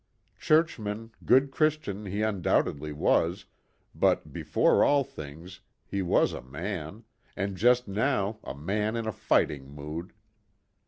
Churchman, good Christian he undoubtedly was, but, before all things, he was a man; and just now a man in fighting mood.